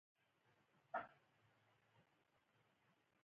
ازادي راډیو د مالي پالیسي په اړه د ننګونو یادونه کړې.